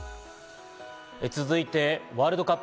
続いてはワールドカップ。